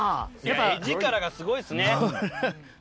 絵力がすごいですね。